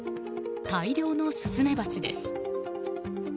大量のスズメバチです。